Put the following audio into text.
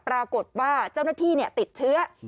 ปรากฏว่าเจ้าหน้าที่ติดเชื้อ